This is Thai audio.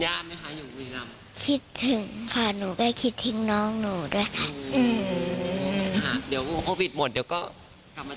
อยากกลับไปเรียนอีกค่ะ